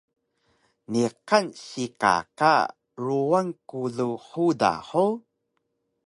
Niqan sika ka ruwan kulu huda hug?